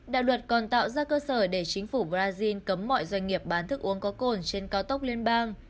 đạo luật còn tạo ra cơ sở để chính phủ brazil cấm mọi doanh nghiệp bán thức uống có cồn trên cao tốc liên bang